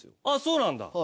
あっそうなんだ。